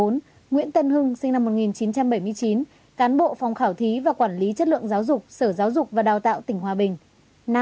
bốn nguyễn tân hưng sinh năm một nghìn chín trăm bảy mươi chín cán bộ phòng khảo thí và quản lý chất lượng giáo dục sở giáo dục và đào tạo tỉnh hòa bình